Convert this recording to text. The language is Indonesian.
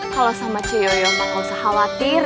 kalau sama ciyoyo gak usah khawatir